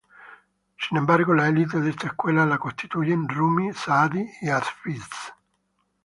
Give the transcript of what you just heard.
Sin embargo, la elite de esta escuela la constituyen Rumi, Saadi, y Hafiz.